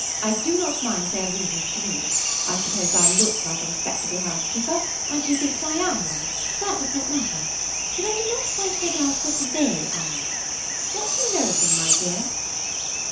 I do not mind their rudeness to me; I suppose I look like a respectable housekeeper, and she thinks I am one–that does not matter; but I do not quite make out what they are. What do you know of them, my dear?"